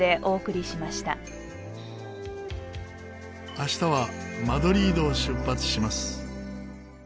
明日はマドリードを出発します。